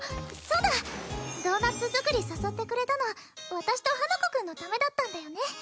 そうだドーナツ作り誘ってくれたの私と花子くんのためだったんだよね